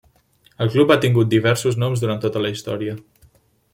El club ha tingut diversos noms durant tota la història.